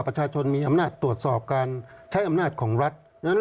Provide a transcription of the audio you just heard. ประชาชนมีอำนาจตรวจสอบการใช้อำนาจของรัฐ